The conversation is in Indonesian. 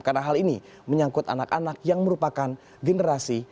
karena hal ini menyangkut anak anak yang merupakan generasi